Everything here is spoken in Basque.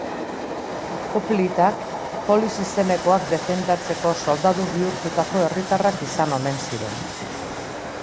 Hoplitak, polis izenekoak defendatzeko soldadu bihurtutako herritarrak izan omen ziren.